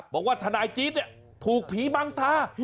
บอกว่าทนายจี๊ดเนี่ยถูกผีบังตา